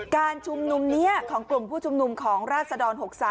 การชุมนุมนี้ของกลุ่มผู้ชุมนุมของราศดร๖๓